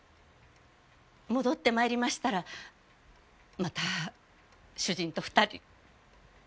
戻ってまいりましたらまた主人と２人。